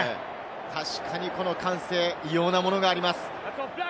確かにこの歓声、異様なものがあります。